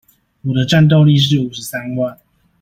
我的戰鬥力是五十三萬